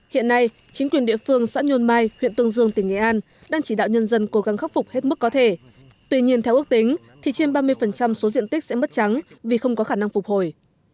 hiện nay chính quyền địa phương xã nhôn mai huyện tương dương tỉnh nghệ an đang chỉ đạo nhân dân cố gắng khắc phục hết mức có thể tuy nhiên theo ước tính thì trên ba mươi số diện tích sẽ mất trắng vì không có khả năng phục hồi